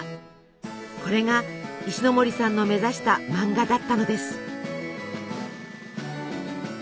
これが石森さんの目指したマンガだったのです。